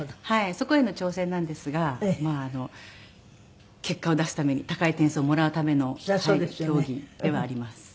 そこへの挑戦なんですが結果を出すために高い点数をもらうための競技ではあります。